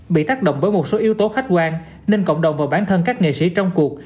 bị tác động bởi một số yếu tố khách quan nên cộng đồng và bản thân các nghệ sĩ trong cuộc